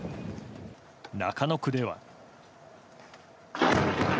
中野区では。